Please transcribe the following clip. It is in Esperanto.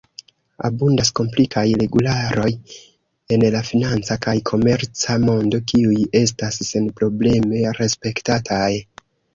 Abundas komplikaj regularoj en la financa kaj komerca mondo kiuj estas senprobleme respektataj.